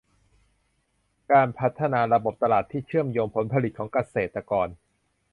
การพัฒนาระบบตลาดที่เชื่อมโยงผลผลิตของเกษตรกร